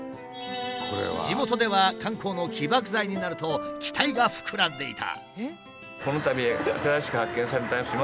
地元では観光の起爆剤になると期待が膨らんでいた。